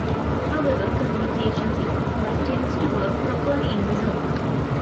However, communications equipment tends to work properly in the zone.